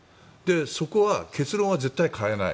そこは結論は絶対に変えない。